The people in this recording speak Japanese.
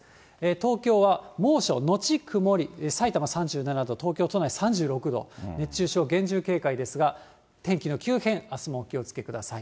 東京は猛暑後曇り、さいたま３７度、東京都内３６度、熱中症厳重警戒ですが、天気の急変、あすもお気をつけください。